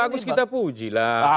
bagus kita puji lah